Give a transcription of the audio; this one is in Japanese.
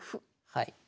はい。